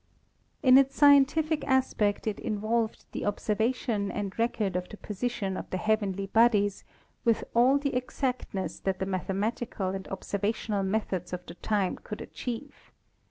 In its scientific aspect it involved the observa tion and record of the position of the heavenly bodies with all the exactness that the mathematical and observational methods of the time could achieve.